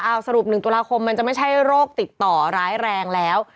เอาสรุป๑ตุลาคมมันจะไม่ใช่โรคติดต่อร้ายแรงแล้ว